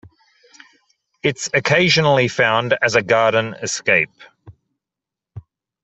It's occasionally found as a garden escape.